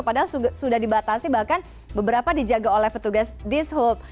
padahal sudah dibatasi bahkan beberapa dijaga oleh petugas dishub